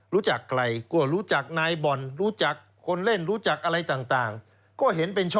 รู้จักอะไรก็รู้จักนายบ่อนรู้จักคนเล่น